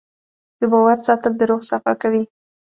د باور ساتل د روح صفا کوي.